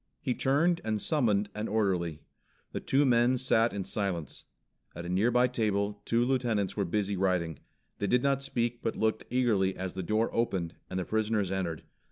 He turned and summoned an orderly. The two men sat in silence. At a nearby table two lieutenants were busy writing. They did not speak but looked eagerly as the door opened, and the prisoners entered.